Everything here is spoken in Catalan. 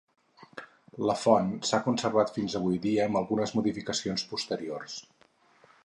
La font s'ha conservat fins avui dia amb algunes modificacions posteriors.